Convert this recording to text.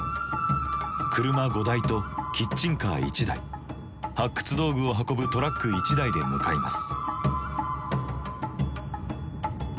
車５台とキッチンカー１台発掘道具を運ぶトラック１台で向かいます。